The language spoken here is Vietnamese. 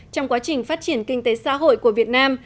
trong quá trình phát triển kinh tế xã hội của việt nam